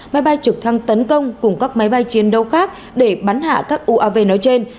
máy bay trực thăng tấn công cùng các máy bay chiến đấu khác để bắn hạ các uav nói trên